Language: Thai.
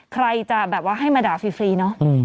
ใครจะแบบว่าให้มาด่าฟรีเนอะ